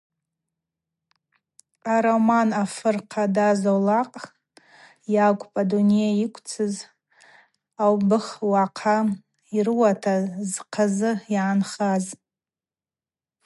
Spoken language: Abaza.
Ароман афыр хъада Золак йакӏвпӏ адуней йыквцӏыз аубых уагӏахъа йрыуата зхъазы йгӏанхаз.